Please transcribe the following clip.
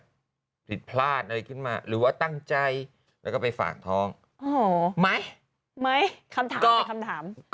เป็นแบบถิดพลาดอะไรขึ้นมาหรือว่าตั้งใจแล้วก็ไปฝ่างทองไหมคำถาม